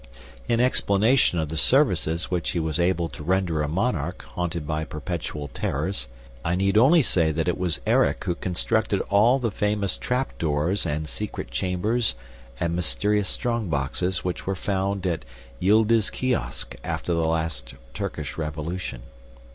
In explanation of the services which he was able to render a monarch haunted by perpetual terrors, I need only say that it was Erik who constructed all the famous trap doors and secret chambers and mysterious strong boxes which were found at Yildiz Kiosk after the last Turkish revolution.